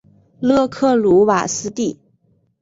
勒克鲁瓦斯蒂。